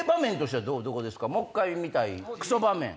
もっかい見たいクソ場面。